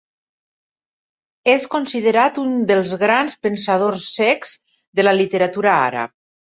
És considerat un dels grans pensadors cecs de la literatura àrab.